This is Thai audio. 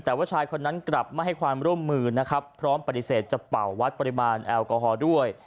แต่ว่าชายคนนั้นกลับไม่ให้ความร่วมมือนะครับพร้อมปฏิเสธจะเป่าวัดปริมาณแอลกอฮอล์ด้วย